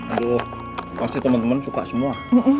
aduh pasti teman teman suka semua